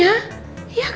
ya kan kamu tahu kan